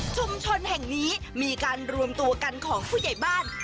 ชุมชนแห่งนี้มีการรวมตัวกันของผู้ใหญ่บ้าน